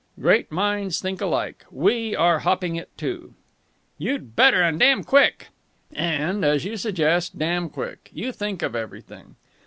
"Great minds think alike! We are hopping it, too." "You'd better! And damn quick!" "And, as you suggest, damn quick. You think of everything!"